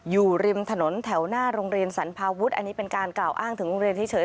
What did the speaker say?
อยู่ริมถนนแถวหน้าโรงเรียนสรรพาวุฒิอันนี้เป็นการกล่าวอ้างถึงโรงเรียนเฉย